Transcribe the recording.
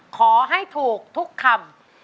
ขอให้ถูกทุกคำ